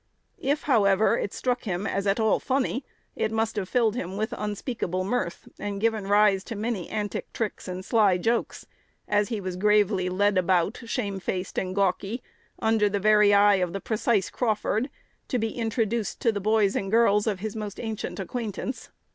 If, however, it struck him as at all funny, it must have filled him with unspeakable mirth, and given rise to many antic tricks and sly jokes, as he was gravely led about, shamefaced and gawky, under the very eye of the precise Crawford, to be introduced to the boys and girls of his most ancient acquaintance.